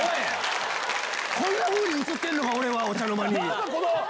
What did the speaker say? こんなふうに映ってんのか俺はお茶の間に。